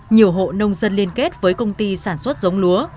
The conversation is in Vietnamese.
nhiều hộ nông dân liên kết với công ty sản xuất giống lúa